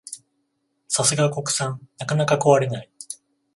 さすが国産、なかなか壊れない